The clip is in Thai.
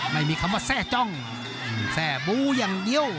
ไม่มีคำว่าแทร่จ้องแทร่บูอย่างเดียว